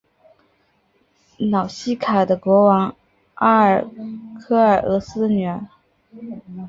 瑙西卡的国王阿尔喀诺俄斯的女儿。